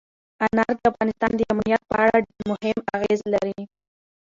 انار د افغانستان د امنیت په اړه هم اغېز لري.